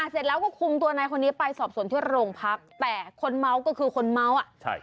เสร็จแล้วก็คุมตัวนายคนนี้ไปสอบส่วนที่โรงพักแต่คนเมาก็คือคนเมาอ่ะใช่